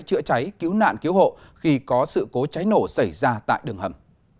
chữa cháy cứu nạn cứu hộ khi có sự cố cháy nổ xảy ra tại đường hầm